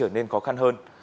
nên khó khăn hơn